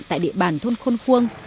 tại địa bàn thôn khuôn khuông